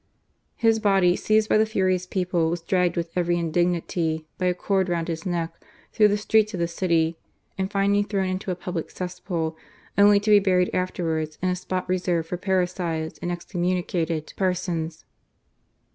His body, seized by the furious people, was dragged with every indignity, by a cord round his neck, through the streets of the city and finally thrown into a public cesspool, only to be buried afterwards in a spot reserved for parricides and excommunicated persons.